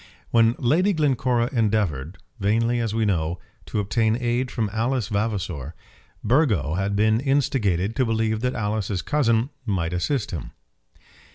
When Lady Glencora endeavoured, vainly as we know, to obtain aid from Alice Vavasor, Burgo had been instigated to believe that Alice's cousin might assist him.